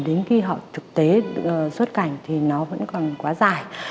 đến khi họ thực tế xuất cảnh thì nó vẫn còn quá dài